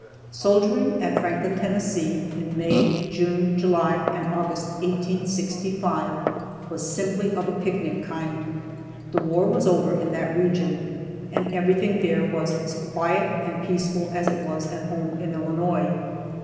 Soldiering at Franklin, Tennessee, in May, June, July, and August, 1865, was simply of a picnic kind. The war was over in that region, and everything there was as quiet and peaceful as it was at home in Illinois.